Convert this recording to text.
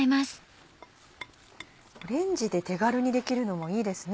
レンジで手軽にできるのもいいですね。